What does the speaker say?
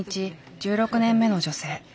１６年目の女性。